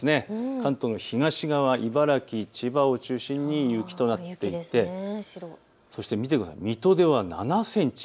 関東の東側、茨城、千葉を中心に雪となっていてそして水戸では７センチ。